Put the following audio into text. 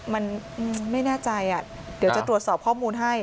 มันไม่แน่ใจเดี๋ยวจะตรวจสอบข้อมูลให้